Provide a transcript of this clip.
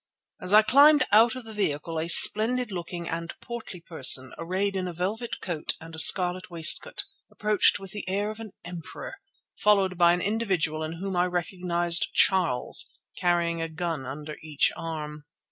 As I climbed out of the vehicle a splendid looking and portly person, arrayed in a velvet coat and a scarlet waistcoat, approached with the air of an emperor, followed by an individual in whom I recognized Charles, carrying a gun under each arm.